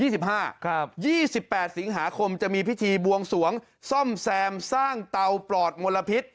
๒๘สิงหาคมจะมีพิธีบวงสวงซ่อมแซมสร้างเตาปลอดมลพิษ